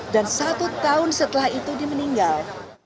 dan satu tahun setelah itu dia meninggal